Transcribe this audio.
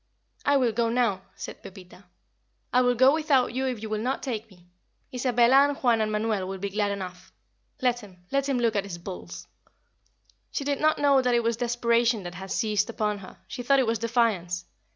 "I will go now," said Pepita. "I will go without you if you will not take me. Isabella and Juan and Manuel will be glad enough. Let him let him look at his bulls." She did not know that it was desperation that had seized upon her; she thought it was defiance.